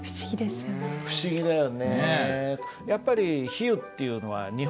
不思議だよね。